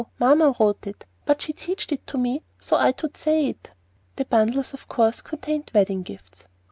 Mamma wote it, but she teached it to me so I tould say it." The bundles of course contained wedding gifts.